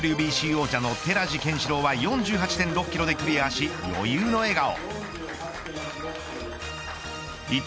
ＷＢＣ王者の寺地拳四朗は４８．６キロでクリアし余裕の笑顔。